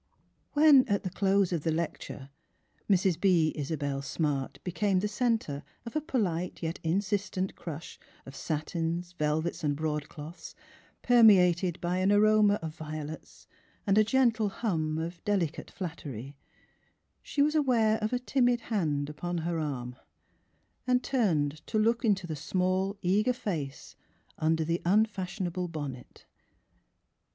'' When, at the close of the lecture, Mrs. B. Isabelle Smart became the center of a polite yet insistent crush of satins, velvets and broadcloths, per meated by an aroma of violets and a gentle hum of delicate flattery, she was aware of a timid hand upon her arm, and turned to look into the small, eager face under the unfash ionable bonnet.